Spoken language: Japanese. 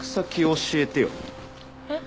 えっ？